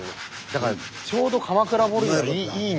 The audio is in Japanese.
だからちょうど鎌倉彫にはいい。